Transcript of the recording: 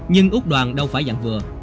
nhưng úc đoàn đâu phải dạng vừa